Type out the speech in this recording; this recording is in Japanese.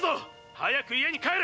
早く家に帰れ！